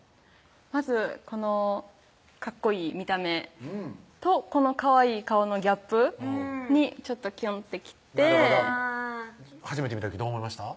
まずこのかっこいい見た目とこのかわいい顔のギャップにちょっとキュンってきてなるほど初めて見た時どう思いました？